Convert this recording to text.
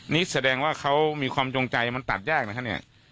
นี่แสดงว่าเขามีความจงใจมันตัดยากนะครับเนี่ย